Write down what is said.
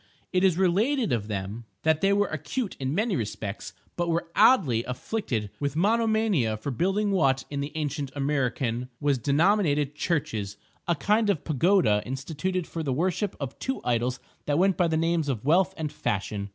It is related of them that they were acute in many respects, but were oddly afflicted with monomania for building what, in the ancient Amriccan, was denominated "churches"—a kind of pagoda instituted for the worship of two idols that went by the names of Wealth and Fashion.